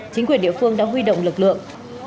chính quyền địa phương đã huy động lực lượng